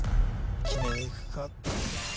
決めにいくか